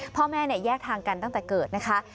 พ่อแม่แยกทางกันตั้งแต่เกิดนะคะ